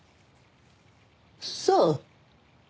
そう。